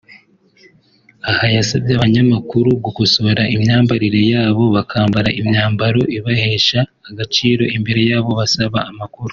aha yasabye abanyamakuru gukosora imyambarire yabo bakambara imyambaro ibahesha agaciro imbere y’abo basaba amakuru